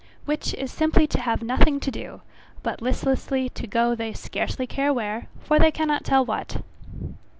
Which is simply to have nothing to do, but listlessly to go they scarcely care where, for they cannot tell what.